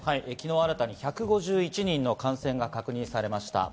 昨日、新たに１５１人の感染が確認されました。